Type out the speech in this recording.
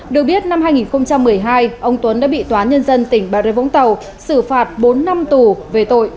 được biết năm hai nghìn một mươi hai ông tuấn đã bị tòa nhân dân tp vũng tàu xử phạt bốn năm tù về tội